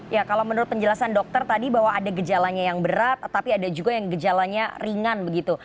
ya kalau menurut penjelasan dokter tadi bahwa ada gejalanya yang berat tapi ada juga yang gejalanya ringan begitu